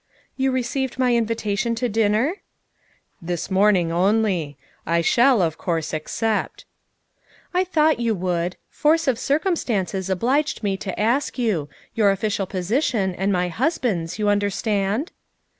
" You received my invitation to dinner?" '' This morning only. I shall, of course, accept. ''" I thought you would. Force of circumstances obliged me to ask you your official position and my husband's, you understand?"